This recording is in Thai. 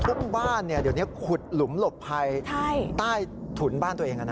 ทุกบ้านเดี๋ยวนี้ขุดหลุมหลบภัยใต้ถุนบ้านตัวเอง